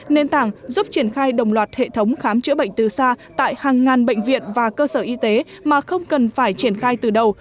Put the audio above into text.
nền tảng giúp triển khai đồng loạt hệ thống khám chữa bệnh từ xa tại hàng ngàn bệnh viện và cơ sở y tế mà không cần phải triển khai từ đầu